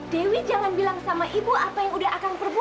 dewi jangan bilang sama ibu apa yang udah akan perbu